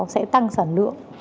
sẽ tăng sản lượng